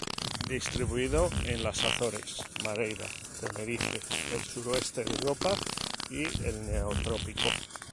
Distribuido en las Azores, Madeira, Tenerife, el sudoeste de Europa, y el Neotrópico.